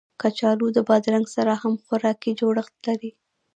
کچالو د بادرنګ سره هم خوراکي جوړښت لري